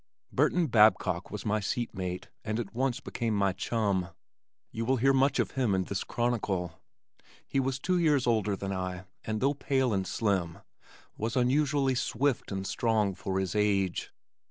Burton Babcock was my seat mate, and at once became my chum. You will hear much of him in this chronicle. He was two years older than I and though pale and slim was unusually swift and strong for his age.